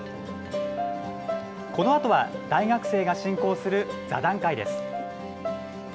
このあとは大学生が進行する座談会です。